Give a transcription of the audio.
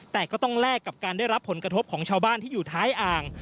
แต่ก็ต้องแลกกับการได้รับผลกระทบของชาวบ้านที่อยู่ท้ายอ่าง